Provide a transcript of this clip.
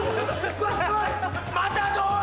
うわすごい！